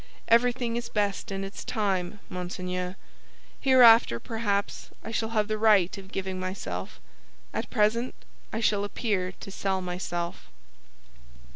Everything is best in its time, monseigneur. Hereafter, perhaps, I shall have the right of giving myself; at present I shall appear to sell myself."